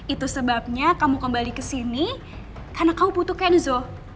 itu sebabnya kamu kembali ke sini karena kamu butuh kenzo